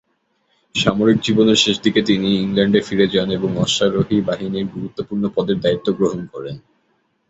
সামরিক জীবনের শেষদিকে তিনি ইংল্যান্ডে ফিরে যান এবং অশ্বারোহী বাহিনীর গুরুত্বপূর্ণ পদের দায়িত্ব গ্রহণ করেন।